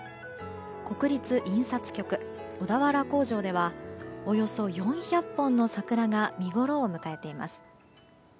国立印刷局小田原工場ではおよそ４００本の桜が見ごろを迎えています。